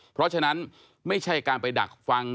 เพราะฉะนั้นไม่ใช่การไปดักฟัง